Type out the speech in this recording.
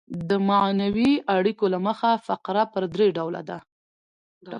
د معنوي اړیکو له مخه فقره پر درې ډوله ده.